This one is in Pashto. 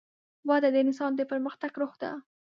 وده د انسان د پرمختګ روح ده.